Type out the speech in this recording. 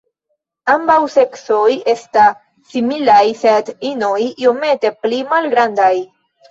Ambaŭ seksoj esta similaj sed inoj iomete pli malgrandaj.